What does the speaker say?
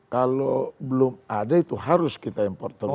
kalau belum ada itu harus kita impor terus